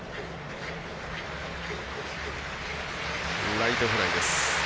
ライトフライです。